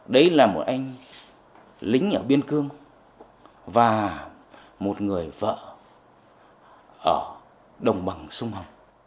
đấy là một anh lính ở biên cương và một người vợ ở đồng bằng sông hồng